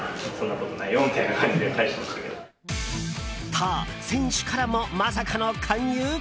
と、選手からもまさかの勧誘？